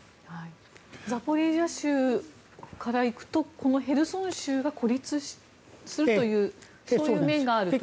ザポリージャ州から行くとこのヘルソン州が孤立するというそういう面があると。